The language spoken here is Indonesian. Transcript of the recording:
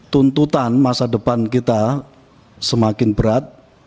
tuntutan masa depan kita semakin berat